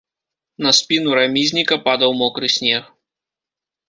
На спіну рамізніка падаў мокры снег.